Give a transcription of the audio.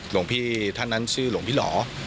หลวงพี่ท่านนั้นชื่อหลวงพี่หล่อ